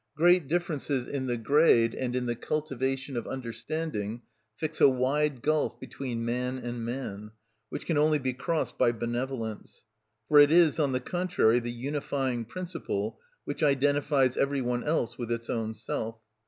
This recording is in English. Great differences in the grade and in the cultivation of the understanding fix a wide gulf between man and man, which can only be crossed by benevolence; for it is, on the contrary, the unifying principle, which identifies every one else with its own self.